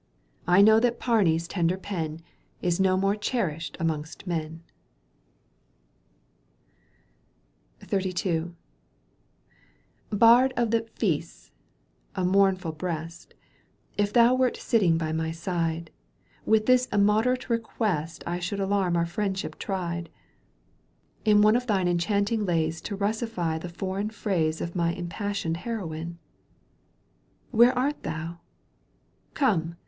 canto ш I know that Pamy's tender pen*^ Is no more cherished amongst men, XXXIL Bard of the "Feasts," and mournful breast, И thou wert sitting by my side, With this immoderate request I should alarm our friendship tried : In one of thine enchanting lays To russify the foreign phrase Of my impassioned heroine. Where art thou ? Come